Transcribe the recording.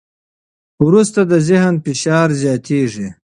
وروسته د ذهن فشار زیاتېږي.